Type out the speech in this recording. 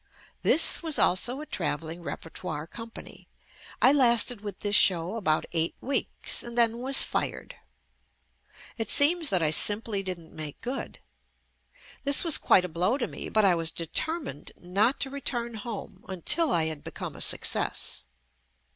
This was also a travelling repertoire company. I lasted with this show about eight weeks and then was fired. It seems that I simply didn't make good. This was quite a blow to me, but I was determined not to return home until I had become a suc cess.